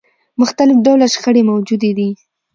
مختلف ډوله شخړې موجودې دي.